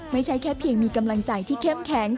ไม่ใช่แค่เพียงมีกำลังใจที่เข้มแข็ง